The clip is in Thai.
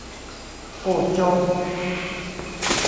โอ้ โจ๊ก !